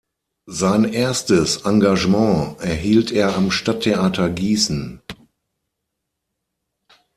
Sein erstes Engagement erhielt er am Stadttheater Gießen.